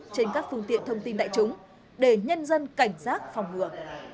trên các phương tiện thông tin đại chúng để nhân dân cảnh giác phòng ngừa